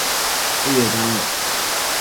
事业单位